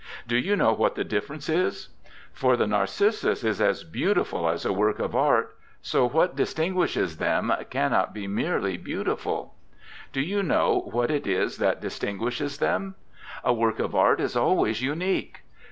Do you know what the difference is? For the narcissus is as beautiful as a work of art, so what distinguishes them cannot be merely beauty. Do you know what it is that distinguishes them? A work of art is always unique.